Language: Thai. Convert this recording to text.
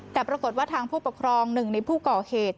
แต่ปรากฏว่าทางผู้ปกครองหนึ่งในผู้ก่อเหตุ